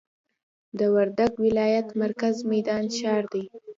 د وردګ ولایت مرکز میدان ښار دي.